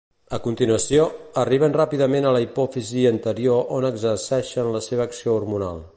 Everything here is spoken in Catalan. A continuació, arriben ràpidament a la hipòfisi anterior on exerceixen la seva acció hormonal.